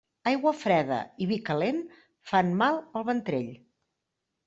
Aigua freda i vi calent fan mal al ventrell.